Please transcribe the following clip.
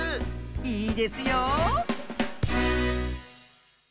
いいですよ。